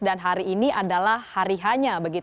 dan hari ini adalah hari hanya